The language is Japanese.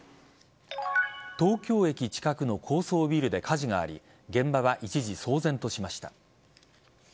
東京駅近くの高層ビルで火事があり現場は一時騒然としました。